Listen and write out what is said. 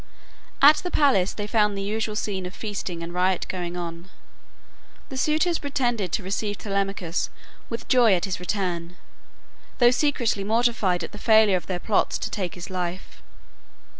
At the palace they found the usual scene of feasting and riot going on. The suitors pretended to receive Telemachus with joy at his return, though secretly mortified at the failure of their plots to take his life.